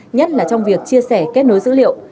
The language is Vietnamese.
nhất là trong việc chia sẻ kết nối dữ liệu